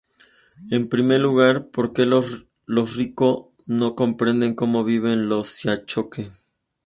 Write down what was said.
En primer lugar, porque los Rico no comprenden como viven los Siachoque.